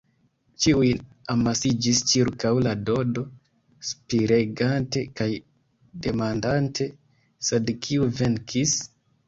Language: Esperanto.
Ĉiuj amasiĝis ĉirkaŭ la Dodo, spiregante kaj demandante: “Sed kiu venkis?”